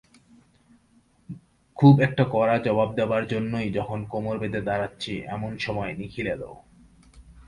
খুব একটা কড়া জবাব দেবার জন্যই যখন কোমর বেঁধে দাঁড়াচ্ছি এমন সময় নিখিল এল।